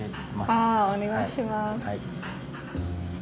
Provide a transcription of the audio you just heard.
あお願いします。